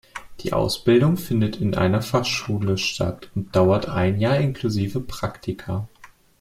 Die Ausbildung findet in einer Fachschule statt und dauert ein Jahr inklusive Praktika.